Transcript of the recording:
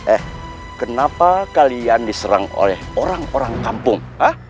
eh kenapa kalian diserang oleh orang orang kampung